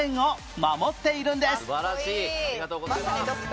ありがとうございます。